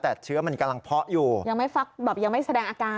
แต่เชื้อมันกำลังเพาะอยู่ยังไม่ฟักแบบยังไม่แสดงอาการ